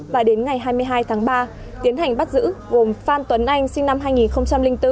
và đến ngày hai mươi hai tháng ba tiến hành bắt giữ gồm phan tuấn anh sinh năm hai nghìn bốn